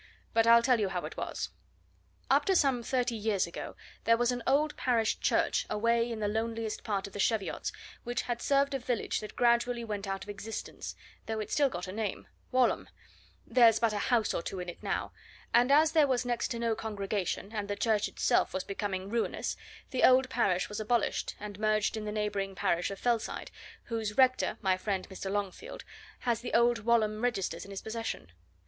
But I'll tell you how it was. Up to some thirty years ago there was an old parish church away in the loneliest part of the Cheviots which had served a village that gradually went out of existence though it's still got a name, Walholm, there's but a house or two in it now; and as there was next to no congregation, and the church itself was becoming ruinous, the old parish was abolished, and merged in the neighbouring parish of Felside, whose rector, my friend Mr. Longfield, has the old Walholm registers in his possession.